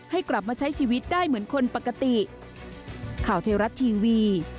ให้กลับมาใช้ชีวิตได้เหมือนคนปกติ